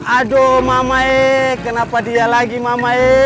aduh mama e kenapa dia lagi mama e